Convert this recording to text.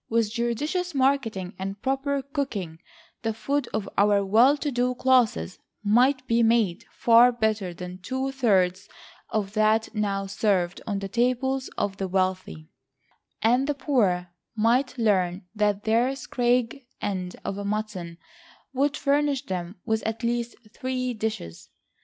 With judicious marketing and proper cooking, the food of our well to do classes might be made far better than two thirds of that now served on the tables of the wealthy; and the poor might learn that their scrag end of mutton would furnish them with at least three dishes.